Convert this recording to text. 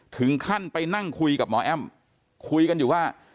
ถึงขั้นไปนั่งคุยกับหมอแอ้มคุยกันอยู่ว่า